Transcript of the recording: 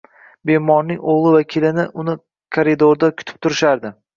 Bemorning o`g`li va kelini uni koridorda kutib turishardi